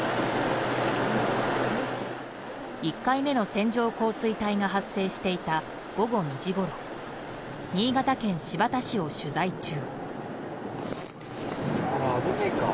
１回目の線状降水帯が発生していた午後２時ごろ新潟県新発田市を取材中。